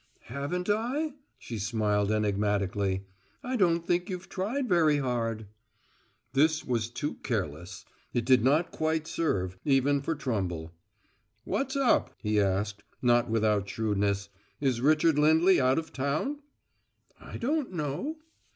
"Haven't I?" she smiled enigmatically. "I don't think you've tried very hard." This was too careless; it did not quite serve, even for Trumble. "What's up?" he asked, not without shrewdness. "Is Richard Lindley out of town?" "I don't know."